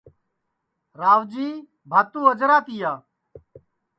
راوجی بھاتُو اجرا تِیا